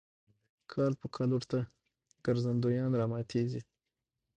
کال په کال ورته ګرځندویان راماتېږي.